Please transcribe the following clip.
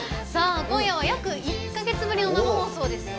今夜は約１か月ぶりの生放送です。